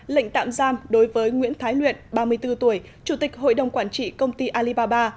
lệnh tạm giam đối với nguyễn thái luyện ba mươi bốn tuổi chủ tịch hội đồng quản trị công ty alibaba